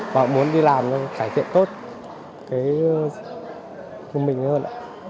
và muốn đi làm cải thiện tốt của mình hơn